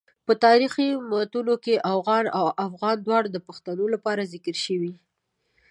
په تاریخي متونو کې اوغان او افغان دواړه د پښتنو لپاره ذکر شوي.